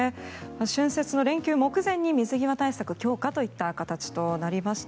春節の連休直前に水際対策強化といった形になりました。